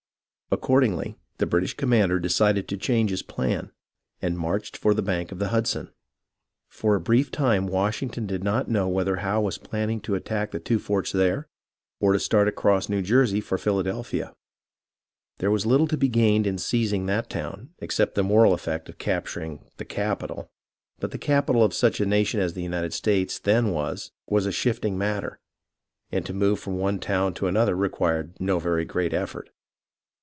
Accordingly, the British commander decided to change his plan, and marched for the bank of the Hudson. For a brief time Washington did not know whether Howe was planning to attack the two forts there, or to start across 130 THE FLIGHT ACROSS THE JERSEYS 131 New Jersey for Philadelphia. There was little to be gained in seizing that town except in the moral effect of capturing "the capital"; but the capital of such a nation as the United States then was, was a shifting matter, and to move from one town to another required no very great effort.